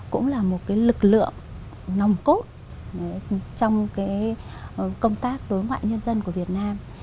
cũng là một cái lực lượng nồng cốt trong cái công tác đối ngoại nhân dân của việt nam